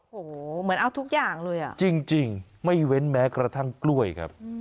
โอ้โหเหมือนเอาทุกอย่างเลยอ่ะจริงไม่เว้นแม้กระทั่งกล้วยครับ